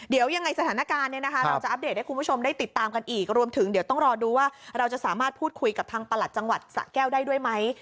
เดี๋ยวยังไงสถานการณ์เนี่ยนะคะเราจะอัปเดตให้คุณผู้ชมได้ติดตามกันอีกรวมถึงเดี๋ยวต้องรอดูว่าเราจะสามารถพูดคุยกับทางประหลัดจังหวัดสะแก้วได้ด้วยไหม